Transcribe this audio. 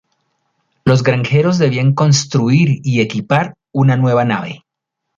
Los granjeros debían construir y equipar una nueva nave.